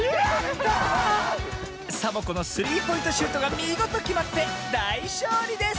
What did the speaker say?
サボ子のスリーポイントシュートがみごときまってだいしょうりです！